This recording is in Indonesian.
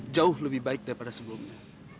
jauh lebih baik daripada sebelumnya